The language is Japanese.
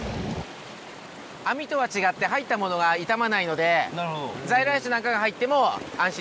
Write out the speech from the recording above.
網とは違って入ったものが傷まないので在来種なんかが入っても安心ですね。